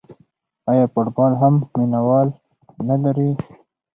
آیا فوتبال هم مینه وال نلري؟